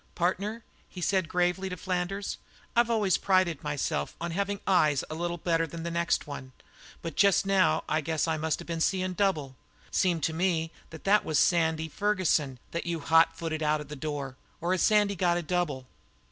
"Partner," he said gravely to Flanders, "I've always prided myself on having eyes a little better than the next one, but just now I guess I must of been seein' double. Seemed to me that that was Sandy Ferguson that you hot footed out of that door or has Sandy got a double?"